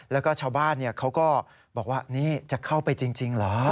แล้วก็ชาวบ้านเขาก็บอกว่านี่จะเข้าไปจริงเหรอ